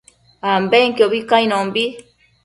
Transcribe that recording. ambenquiobi cainombi